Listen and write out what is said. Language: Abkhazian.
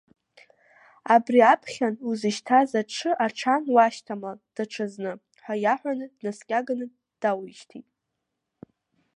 Абри аԥхьан узышьҭаз аҽы аҽан уашьҭамлан даҽазны, ҳәа иаҳәаны, днаскьаганы дауишьҭит.